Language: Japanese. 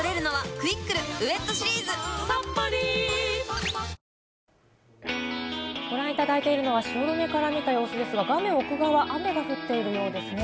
白髪かくしもホーユーご覧いただいているのは汐留から見た様子ですが、画面奥側、雨が降っているようですね。